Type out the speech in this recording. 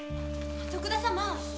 徳田様？